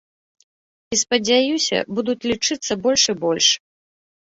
І, спадзяюся, будуць лічыцца больш і больш.